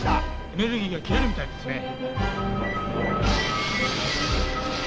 エネルギーが切れるみたいですね。